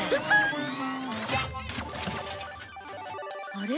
あれ？